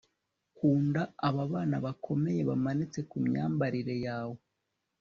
Kunda aba bana bakomeye bamanitse kumyambarire yawe